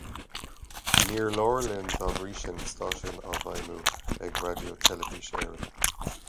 Níor leor linn dá bhrí sin stáisiún á fheidhmiú ag Raidió Teilifís Éireann.